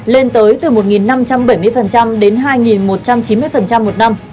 lên tới từ một năm trăm bảy mươi đến hai một trăm chín mươi một năm